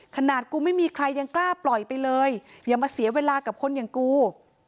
ขนาดกูไม่มีใครยังกล้าปล่อยไปเลยอย่ามาเสียเวลากับคนอย่างกู